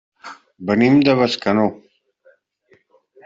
Venim de Bescanó.